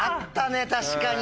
確かに。